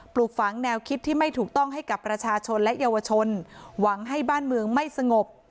ปลูกฝังแนวคิดที่ไม่ถูกต้องให้กับประชาชนและเยาวชนหวังให้บ้านเมืองไม่สงบ